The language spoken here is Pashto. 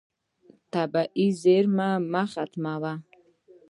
طبیعي زیرمه مه ختموه.